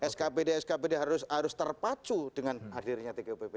skbd skbd harus terpacu dengan hadirnya tgupp